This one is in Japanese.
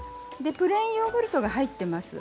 プレーンヨーグルトが入っています。